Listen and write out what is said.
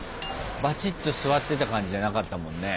バチッと座ってた感じじゃなかったもんね。